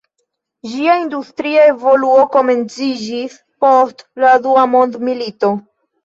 Ĝia industria evoluo komenciĝis post la Dua mondmilito.